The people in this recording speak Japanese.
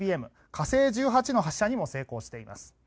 火星１８の発射にも成功しています。